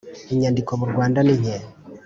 Inyandiko mu Rwanda ninke.